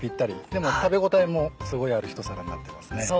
でも食べ応えもすごいある一皿になってますね。